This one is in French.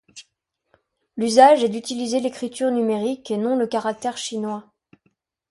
L'usage est d'utiliser l'écriture numérique et non le caractère chinois.